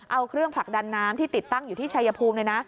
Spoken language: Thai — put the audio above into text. เอาเครื่องผลักดันน้ำที่ติดตั้งอยู่ที่ชายภูมิเลยนะ